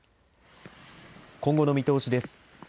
今後の見通しです。